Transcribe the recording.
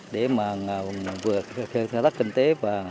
để vượt theo thất kinh tế